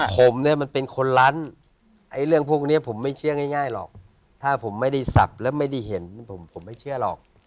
ผมเนี่ยมันเป็นคนลั้นไอ้เรื่องพวกนี้ผมไม่เชื่อง่ายหรอกถ้าผมไม่ได้สับแล้วไม่ได้เห็นผมไม่เชื่อหรอก